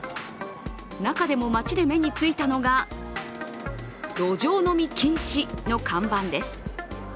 中でも街で目についたのが路上飲み禁止の看板です。